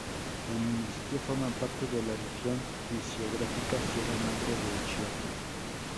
El municipio forma parte de la región fisiográfica Sierra Madre de Chiapas.